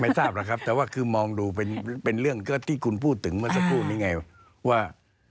ทราบแล้วครับแต่ว่าคือมองดูเป็นเรื่องที่คุณพูดถึงเมื่อสักครู่นี้ไงว่า